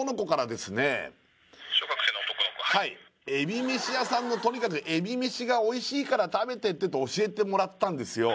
☎はいえびめしやさんのとにかくえびめしがおいしいから食べてってと教えてもらったんですよ